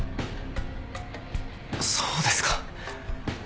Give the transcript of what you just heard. そうですか。